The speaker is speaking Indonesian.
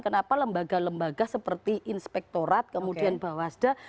kenapa lembaga lembaga seperti inspektorat kemudian bawasda